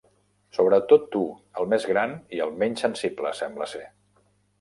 Sobretot tu, el més gran, i el menys sensible, sembla ser.